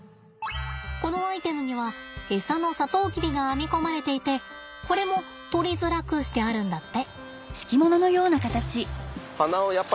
このアイテムにはエサのサトウキビが編み込まれていてこれも取りづらくしてあるんだって。